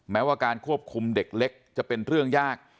แม้ว่าการควบคุมเด็กเล็กจะเป็นเรื่องยาก